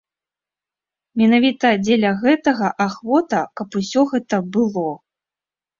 Менавіта дзеля гэтага ахвота, каб усё гэта было.